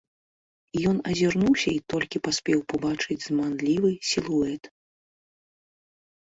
Ён азірнуўся і толькі паспеў пабачыць зманлівы сілуэт.